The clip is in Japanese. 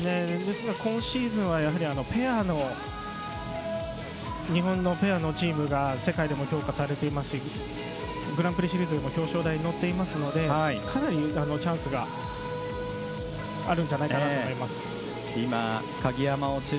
今シーズンは日本のペアのチームが世界でも評価されていますしグランプリシリーズでも表彰台に乗っていますのでかなりチャンスがあるんじゃないかと思います。